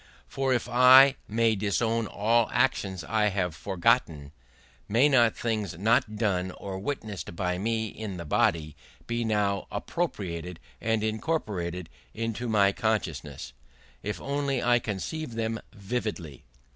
For if I may disown all actions I have forgotten, may not things not done or witnessed by me in the body be now appropriated and incorporated in my consciousness, if only I conceive them vividly?